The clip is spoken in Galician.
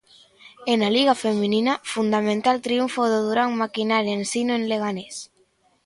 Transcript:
E na Liga Feminina, fundamental triunfo do Durán Maquinaria Ensino en Leganés.